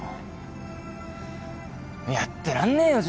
やってらんねえよ